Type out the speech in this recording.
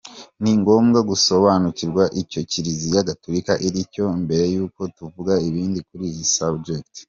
Ni ngombwa gusobanukirwa icyo Kiliziya Gatulika iricyo mbere yuko tuvuga ibindi kuri iyi subject.